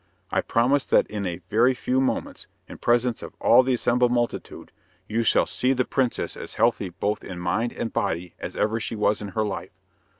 I promise that in a very few moments, in presence of all the assembled multitude, you shall see the princess as healthy both in mind and body as ever she was in her life.